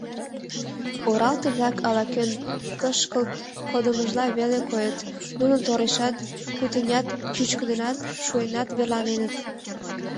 Оралте-влак ала-кӧн кышкылт кодымыжла веле койыт: нуно торешат, кутынят, чӱчкыдынат, шуэнат верланеныт.